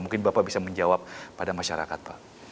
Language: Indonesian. mungkin bapak bisa menjawab pada masyarakat pak